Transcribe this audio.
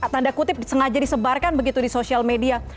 tanda kutip sengaja disebarkan begitu di sosial media